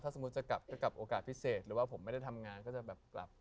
สมมุติจะกลับจะกลับโอกาสพิเศษหรือว่าผมไม่ได้ทำงานก็จะแบบกลับ